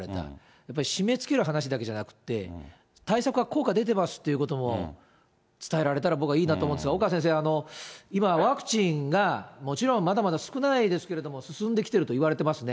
やっぱり締めつける話だけじゃなくって、対策は効果出てますということも伝えられたら僕はいいなと思うんですが、岡先生、今、ワクチンがもちろんまだまだ少ないですけれども、進んできているといわれてますね。